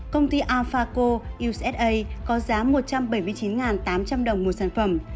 công ty alphako usa có giá một trăm bảy mươi chín tám trăm linh đồng một sản phẩm